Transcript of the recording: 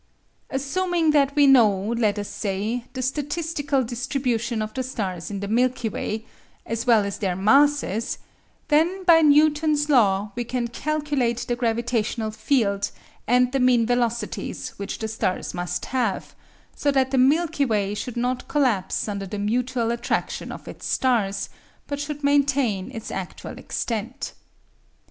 Assuming that we know, let us say, the statistical distribution of the stars in the Milky Way, as well as their masses, then by Newton's law we can calculate the gravitational field and the mean velocities which the stars must have, so that the Milky Way should not collapse under the mutual attraction of its stars, but should maintain its actual extent.